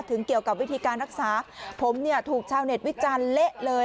เกี่ยวกับวิธีการรักษาผมเนี่ยถูกชาวเน็ตวิจารณ์เละเลย